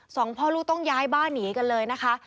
สองพ่อลูกต้องย้ายบ้านหนีกันเลยนะคะ